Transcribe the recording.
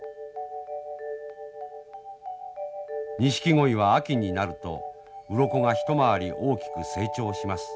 ニシキゴイは秋になるとうろこが一回り大きく成長します。